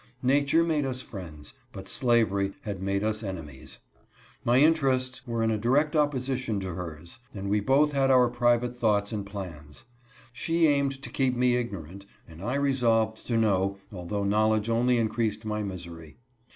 Nature made us friends, but slavery had made us enemies. My inter ests were in a direction opposite to hers, and we both had our private thoughts and plans. She aimed to keep me ignorant, and I resolved to know, although knowledge only increased my misery.